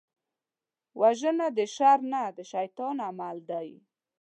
وژنه د شر نه، د شيطان عمل دی